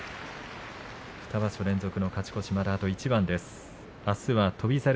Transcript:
２場所連続の勝ち越しまであと一番です。